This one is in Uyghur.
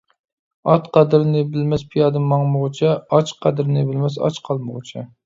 ئات قەدرىنى بىلمەس پىيادە ماڭمىغۇچە، ئاچ قەدرىنى بىلمەس ئاچ قالمىغۇچە.